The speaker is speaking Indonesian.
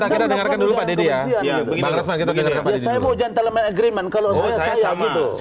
kita dengarkan dulu pak deddy ya